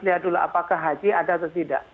lihat dulu apakah haji ada atau tidak